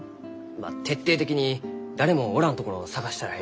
まあ徹底的に誰もおらんところを探したらえい。